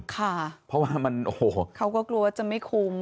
ค่ะเขาก็กลัวจะไม่คุ้ม